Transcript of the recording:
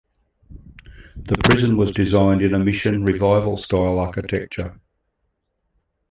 The prison was designed in a mission-revival style architecture.